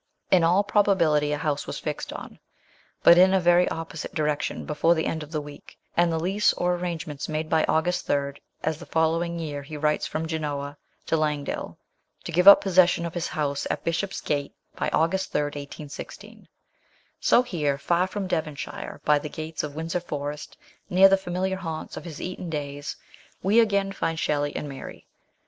In all probability a house was fixed on, but in a very opposite direction, before the end of the week, and the lease or arrangements made by August 3, as the following year he writes from Geneva to Langdill to give up possession of his house at Bishopsgate by August 3, 1816. So here, far from Devonshire, by the gates of Windsor Forest, near the familiar haunts of his Eton days, we again find Shelley and Mary.